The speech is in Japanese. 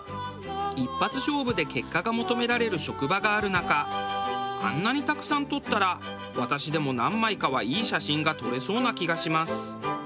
一発勝負で結果が求められる職場がある中あんなにたくさん撮ったら私でも何枚かはいい写真が撮れそうな気がします。